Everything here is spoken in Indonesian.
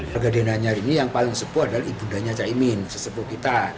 pada hari ini yang paling sepuh adalah ibu danya caimin sesepuh kita